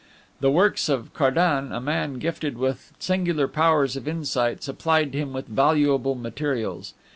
The works of Cardan, a man gifted with singular powers of insight, supplied him with valuable materials.